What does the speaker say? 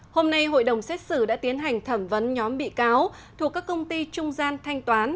hôm nay hội đồng xét xử đã tiến hành thẩm vấn nhóm bị cáo thuộc các công ty trung gian thanh toán